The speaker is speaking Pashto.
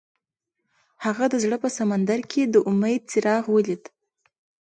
هغه د زړه په سمندر کې د امید څراغ ولید.